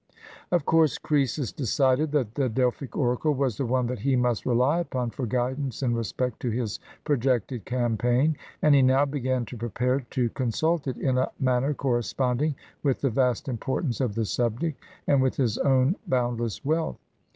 Of course, Croesus decided that the Delphic oracle was the one that he must rely upon for guidance in re spect to his projected campaign. And he now began to prepare to consult it in a manner corresponding with the vast importance of the subject, and with his own bound less wealth.